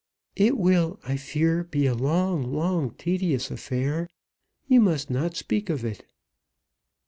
"It will, I fear, be a long, long, tedious affair. You must not speak of it."